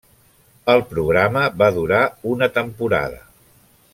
El programa va durar una temporada.